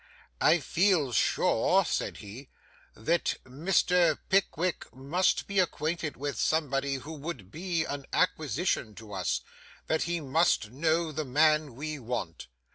'I feel sure,' said he, 'that Mr. Pickwick must be acquainted with somebody who would be an acquisition to us; that he must know the man we want.